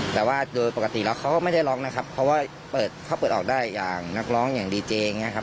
แต่ว่าโดยปกติแล้วเขาก็ไม่ได้ร้องนะครับเพราะว่าเปิดเขาเปิดออกได้อย่างนักร้องอย่างดีเจอย่างนี้ครับ